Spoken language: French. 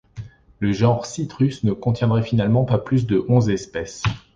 Le genre Citrus ne contiendrait finalement pas plus de onze espèces.